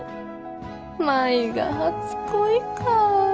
舞が初恋かぁ。